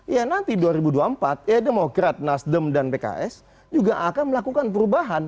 ya nanti dua ribu dua puluh empat ya demokrat nasdem dan pks juga akan melakukan perubahan